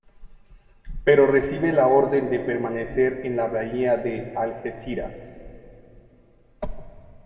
Pero recibe la orden de permanecer en la Bahía de Algeciras.